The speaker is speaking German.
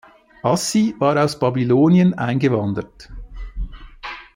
Assi war aus Babylonien eingewandert.